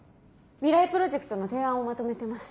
未来プロジェクトの提案をまとめてます。